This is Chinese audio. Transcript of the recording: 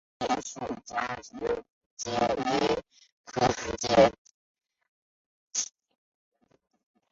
香叶树加植节蜱为节蜱科子加植节蜱属下的一个种。